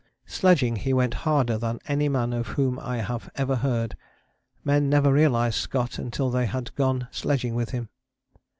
Sledging he went harder than any man of whom I have ever heard. Men never realized Scott until they had gone sledging with him.